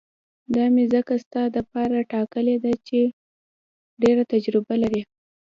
دا مې ځکه ستا دپاره ټاکلې ده چې ډېره تجربه لري.